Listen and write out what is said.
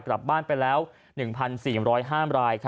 กลับบ้านไปแล้ว๑๔๐๕ราย